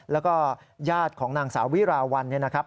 แล้วก็ญาติของนางสาววิราวัลเนี่ยนะครับ